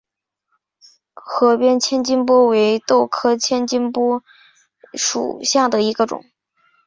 河边千斤拔为豆科千斤拔属下的一个种。